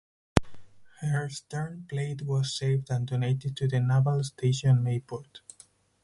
Her stern plate was saved and donated to the Naval Station Mayport.